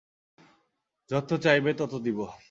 যত চাইবে তত দিব।